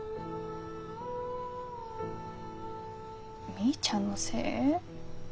みーちゃんのせい？